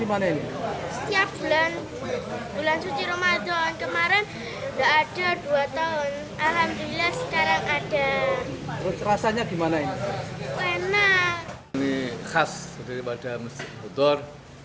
ini khas dari pada masjid hudhor